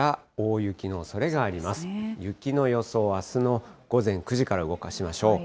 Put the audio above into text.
雪の予想、あすの午前９時から動かしましょう。